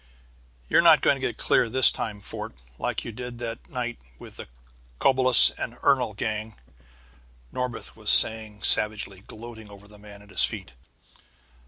"You're not going to get clear this time, Fort, like you did that night with the Cobulus and Ernol's gang!" Norbith was saying savagely, gloating over the man at his feet.